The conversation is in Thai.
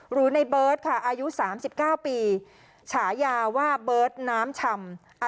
หรือในเบิร์ตค่ะอายุ๓๙ปีฉายาว่าเบิร์ตน้ำชำ